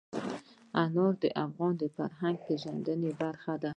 انار د افغانانو د فرهنګي پیژندنې برخه ده.